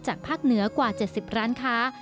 ภาคเหนือกว่า๗๐ร้านค้า